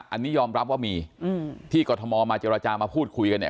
อันนี้ยอมรับว่ามีที่กรทมมาเจรจามาพูดคุยกันเนี่ย